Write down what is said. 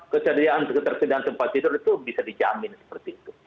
kesaadaan ketersediaan sempat tidur itu bisa dijamin seperti itu